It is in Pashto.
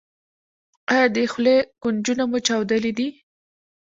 ایا د خولې کنجونه مو چاودلي دي؟